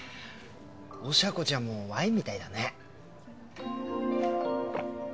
おしゃ子ちゃんもワインみたいだね。